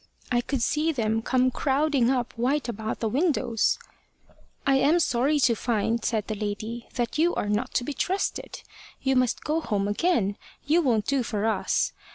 I could see them come crowding up white about the windows. `I am sorry to find,' said the lady, `that you are not to be trusted. You must go home again you won't do for us.'